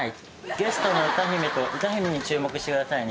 ゲストの歌姫に注目してくださいね。